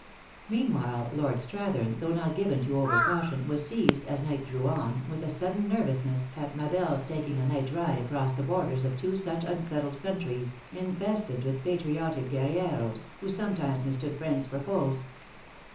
Meanwhile, Lord Strathern, though not given to over caution, was seized, as night drew on, with a sudden nervousness, at Ma Belle s taking a night ride across the borders of two such unsettled countries, in fested with patriotic guerilleros, who sometimes mis 302 THE ACTRESS IN HIGH LIFE. took friends for foes.